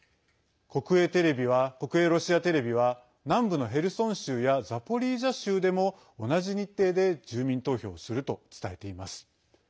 国営ロシアテレビは南部のヘルソン州やザポリージャ州でも同じ日程で住民投票をすると伝えています。